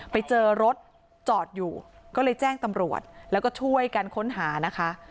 ไปเจอรถจอดอยู่ก็เลยแจ้งตำรวจแล้วก็ช่วยกันค้นหานะคะ